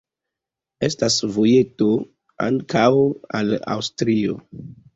Estas vojeto ankaŭ al Aŭstrio.